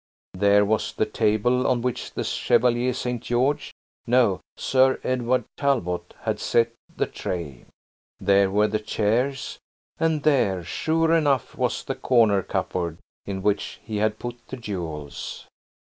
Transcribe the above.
There was the table on which the Chevalier St. George–no, Sir Edward Talbot–had set the tray. There were the chairs, and there, sure enough, was the corner cupboard in which he had put the jewels.